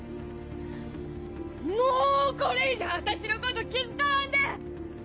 もうこれ以上私のこと気遣わんで！